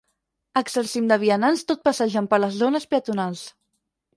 Exercim de vianants tot passejant per les “zones peatonals”.